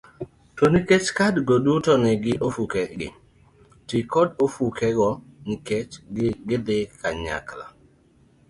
To nikech kadgo duto nigi ofukegi, ti kod ofukego nikech gidhi kanyakla